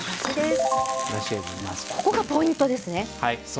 ここがポイントですね。